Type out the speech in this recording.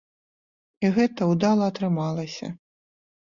І гэта ўдала атрымалася.